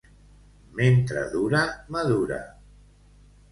Mentre dura, madura.